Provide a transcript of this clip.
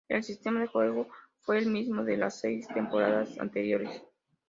El sistema de juego fue el mismo de las seis temporadas anteriores.